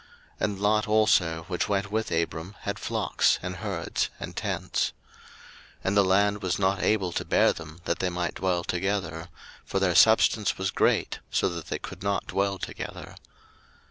01:013:005 And Lot also, which went with Abram, had flocks, and herds, and tents. 01:013:006 And the land was not able to bear them, that they might dwell together: for their substance was great, so that they could not dwell together.